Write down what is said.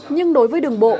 nhưng đối với đường bộ